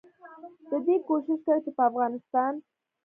ددې کوشش کوي چې په افغانستان